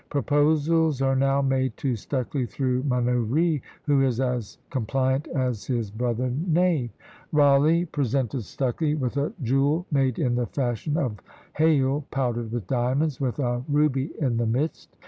Proposals are now made to Stucley through Manoury, who is as compliant as his brother knave. Rawleigh presented Stucley with a "jewel made in the fashion of hail powdered with diamonds, with a ruby in the midst."